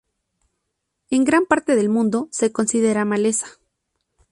En gran parte del mundo se considera maleza.